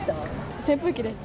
扇風機です。